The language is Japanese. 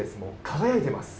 輝いています。